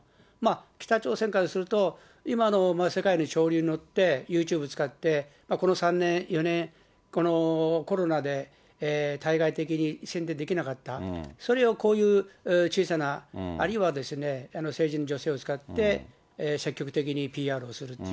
北朝鮮からすると、今の世界の潮流にのって、ユーチューブ使って、この３年、４年、このコロナで対外的に宣伝できなかった、それをこういう小さな、あるいは成人の女性を使って、積極的にＰＲをする。